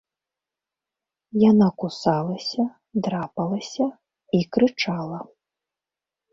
Яна кусалася, драпалася і крычала.